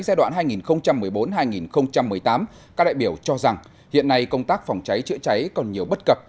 giai đoạn hai nghìn một mươi bốn hai nghìn một mươi tám các đại biểu cho rằng hiện nay công tác phòng cháy chữa cháy còn nhiều bất cập